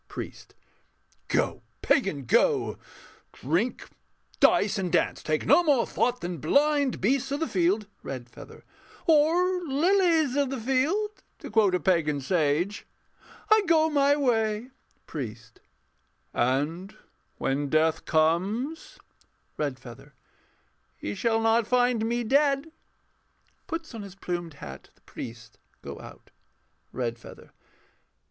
PRIEST. Go, pagan, go! Drink, dice, and dance: take no more thought than blind Beasts of the field.... REDFEATHER. Or ... lilies of the field, To quote a pagan sage. I go my way. PRIEST [solemnly]. And when Death comes.... REDFEATHER. He shall not find me dead. [Puts on his plumed hat. The priests go out.] REDFEATHER.